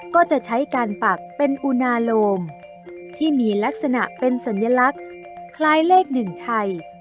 ก็จะใช้การปักเป็นอุณาโลมที่มีลักษณะเป็นสัญลักษณ์คล้ายเลขหนึ่งไทย